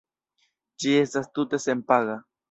Ĝi estas tute senpaga.